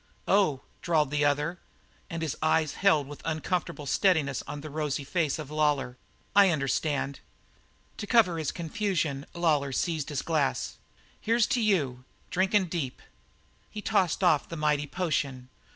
"Oh," drawled the other, and his eyes held with uncomfortable steadiness on the rosy face of Lawlor. "I understand." To cover his confusion Lawlor seized his glass. "Here's to you drinkin' deep." And he tossed off the mighty potion.